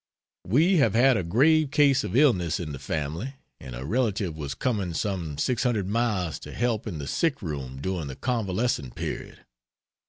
We have had a grave case of illness in the family, and a relative was coming some six hundred miles to help in the sick room during the convalescing period.